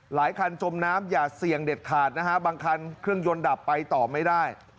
คันจมน้ำอย่าเสี่ยงเด็ดขาดนะฮะบางคันเครื่องยนต์ดับไปต่อไม่ได้